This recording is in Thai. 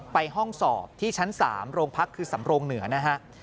ห้องสอบที่ชั้น๓โรงพักคือสำโรงเหนือนะฮะ